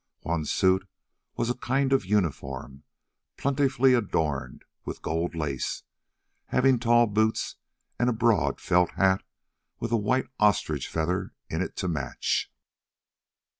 One suit was a kind of uniform plentifully adorned with gold lace, having tall boots and a broad felt hat with a white ostrich feather in it to match.